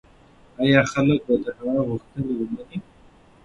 ایا خلک به د هغه غوښتنې ومني؟